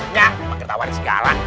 nggak panggir tawar segala